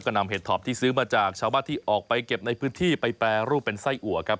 ก็นำเห็ดถอบที่ซื้อมาจากชาวบ้านที่ออกไปเก็บในพื้นที่ไปแปรรูปเป็นไส้อัวครับ